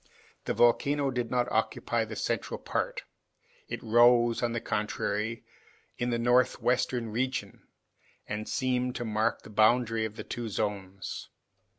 The volcano did not occupy the central part; it rose, on the contrary, in the northwestern region, and seemed to mark the boundary of the two zones.